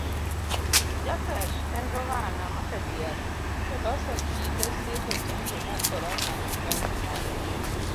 Japheth en govana ma kajiado, oloso ekinde sidho chanjo mar corona e kaunti mare.